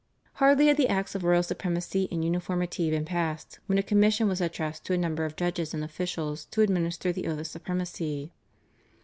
Hardly had the Acts of Royal Supremacy and Uniformity been passed when a commission was addressed to a number of judges and officials to administer the oath of supremacy.